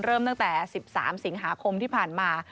เริ่มตั้งแต่๑๓สิงหาคมที่ผ่านมา